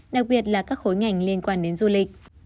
đặc biệt là các khối ngành liên quan đến du lịch